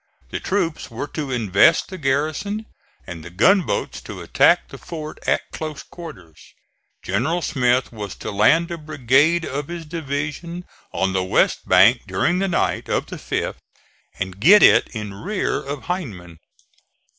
The troops were to invest the garrison and the gunboats to attack the fort at close quarters. General Smith was to land a brigade of his division on the west bank during the night of the 5th and get it in rear of Heiman.